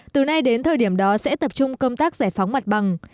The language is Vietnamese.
từ nay đến thời điểm đó sẽ tập trung công tác giải phóng mặt bằng